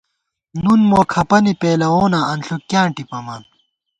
نُن مو کھپَنے پېلَووناں انݪُوک کیاں ٹِپَمان